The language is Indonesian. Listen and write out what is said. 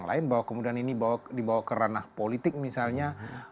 lain bahwa kemudian ini dibawa ke ranah politik misalnya